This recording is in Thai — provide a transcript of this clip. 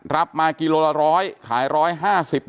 เฮ้ยเฮ้ยเฮ้ยเฮ้ยเฮ้ย